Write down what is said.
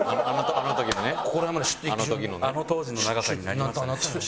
あの当時の長さになりましたね。